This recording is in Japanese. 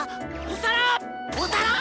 お皿？